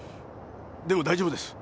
でも大丈夫です。